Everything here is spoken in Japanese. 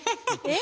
え？